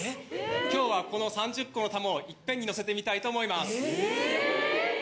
今日はこの３０個の玉をいっぺんに乗せてみたいと思います。